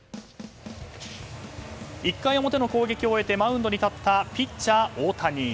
１回表の攻撃を終えてマウンドに立ったピッチャー、大谷。